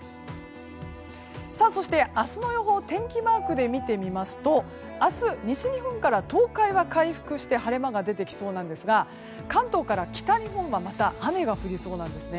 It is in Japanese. そして、明日の予報天気マークで見てみますと明日、西日本から東海は回復して晴れ間が出てきそうなんですが関東から北日本はまた雨が降りそうなんです。